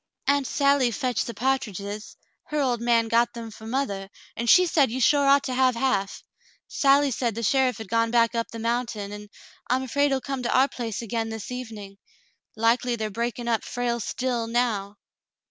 "xA unt Sally fetched the pa'triges. Her old man got them for mothah, and she said you sure ought to have half. Sally said the sheriff had gone back up the mountain, and I'm afraid he'll come to our place again this evening. Likely they're breaking up Frale's 'still' now."